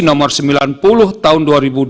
nomor sembilan puluh tahun dua ribu dua puluh